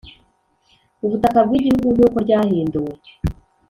ubutaka bw Igihugu nk uko ryahinduwe